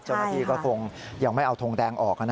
เจ้าหน้าที่ก็คงยังไม่เอาทงแดงออก